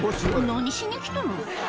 何しに来たの。